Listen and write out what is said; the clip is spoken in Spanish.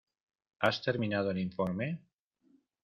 ¿Has terminado el informe?